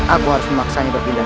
aku harus memaksanya berpilai